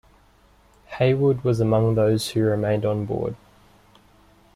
Heywood was among those who remained on board.